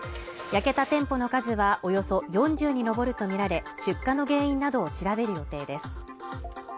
焼けた店舗の数はおよそ４０に上るとみられ出火の原因などを調べる予定です